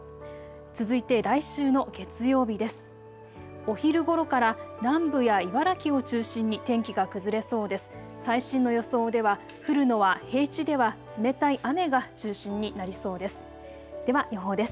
続いて来週の月曜日です。